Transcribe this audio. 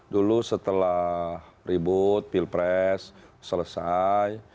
dulu setelah ribut pilpres selesai